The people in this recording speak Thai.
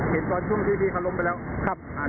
เห็นตอนช่วงที่เขาล้มไปแล้ว